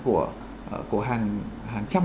của hàng trăm